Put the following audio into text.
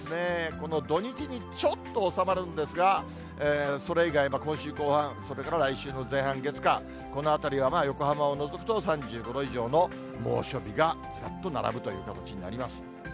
この土日に、ちょっと収まるんですが、それ以外、今週後半、それから来週の前半月、火、このあたりは横浜を除くと３５度以上の猛暑日がずらっと並ぶ形になります。